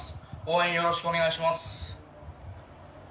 応援よろしくお願いします。